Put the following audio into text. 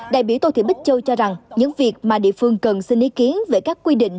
đại biểu tô thị bích châu cho rằng những việc mà địa phương cần xin ý kiến về các quy định